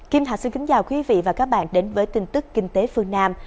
kim thạch xin kính chào quý vị và các bạn đến với tin tức kinh tế phương nam